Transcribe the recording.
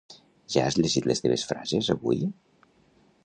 Ja has llegit les teves frases, avui?